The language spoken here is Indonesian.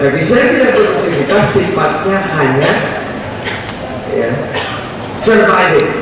efisien dan produktif sifatnya hanya serba ini